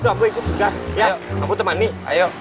aku ikut juga aku teman nih